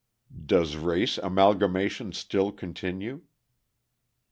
_Does Race Amalgamation Still Continue?